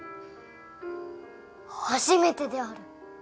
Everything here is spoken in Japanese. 初めてである！